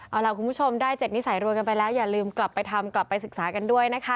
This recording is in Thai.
เอาล่ะคุณผู้ชมได้๗นิสัยรวยกันไปแล้วอย่าลืมกลับไปทำกลับไปศึกษากันด้วยนะคะ